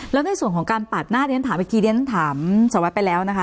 แล้วในส่วนของการปาดหน้าเรียนถามเมื่อกี้เดี๋ยวฉันถามสารวัตรไปแล้วนะคะ